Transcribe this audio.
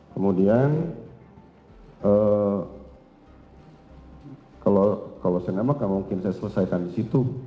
kemudian kalau saya nama nggak mungkin saya selesaikan di situ